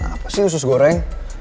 apa sih sus goreng